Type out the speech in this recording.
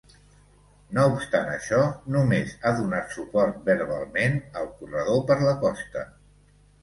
No obstant això, només ha donat suport verbalment al corredor per la costa.